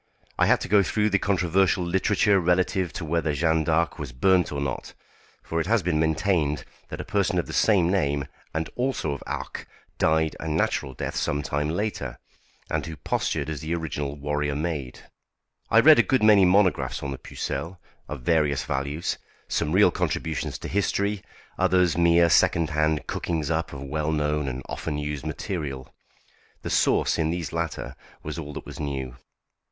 I had to go through the controversial literature relative to whether Jeanne d'Arc was burnt or not, for it has been maintained that a person of the same name, and also of Arques, died a natural death some time later, and who postured as the original warrior maid. I read a good many monographs on the Pucelle, of various values; some real contributions to history, others mere second hand cookings up of well known and often used material. The sauce in these latter was all that was new.